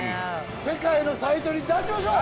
世界のサイトに出しましょう！